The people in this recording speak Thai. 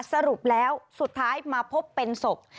สรุปแล้วสุดท้ายมาพบเป็นศพ